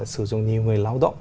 sử dụng nhiều người lao động